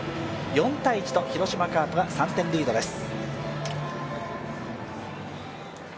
４−１と広島カープが３点リードです。